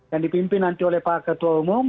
yang dipimpin nanti oleh pak ketua umum